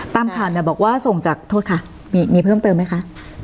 ตามข่าวเนี่ยบอกว่าส่งจากโทษค่ะมีเพิ่มเติมไหมคะ